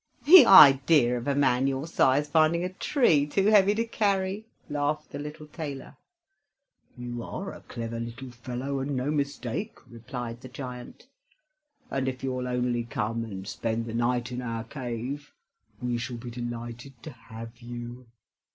"The idea of a man your size finding a tree too heavy to carry!" laughed the little tailor. "You are a clever little fellow, and no mistake," replied the giant, "and if you'll only come and spend the night in our cave, we shall be delighted to have you."